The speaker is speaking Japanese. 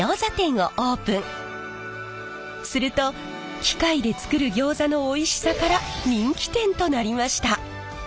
すると機械で作るギョーザのおいしさから人気店となりました。